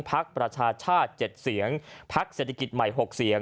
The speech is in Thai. พักประชาชาชน์เจ็ดเสียงพักเศรษฐกิจใหม่หกเสียง